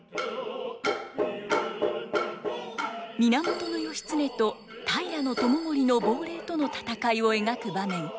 源義経と平知盛の亡霊との戦いを描く場面。